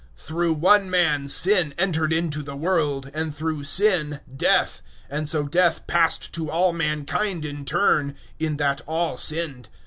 Through one man sin entered into the world, and through sin death, and so death passed to all mankind in turn, in that all sinned.